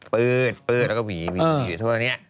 เปิดแล้วก็หวีทั่วนี้